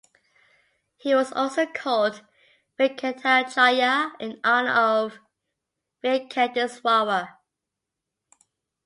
He was also called Venkatacharya in honor of Venkateswara.